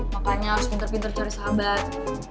makanya harus pinter pinter cari sahabat